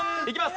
いきます